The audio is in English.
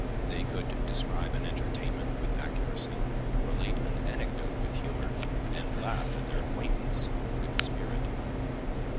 They could describe an entertainment with accuracy, relate an anecdote with humour, and laugh at their acquaintance with spirit.